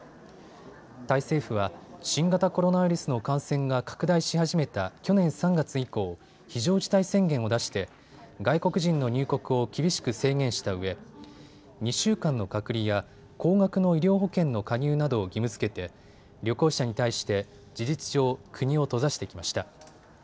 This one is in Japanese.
タイ政府は新型コロナウイルスの感染が拡大し始めた去年３月以降、非常事態宣言を出して外国人の入国を厳しく制限したうえ２週間の隔離や高額の医療保険の加入などを義務づけて旅行者に対して事実上、国を閉ざしてきました。